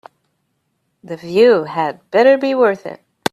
The view had better be worth it.